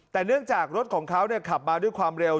แต่เนื่องจากรถของเขาขับมาด้วยความเร็ว